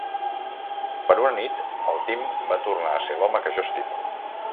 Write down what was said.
Per una nit el Tim va tornar a ser l'home que jo estimo.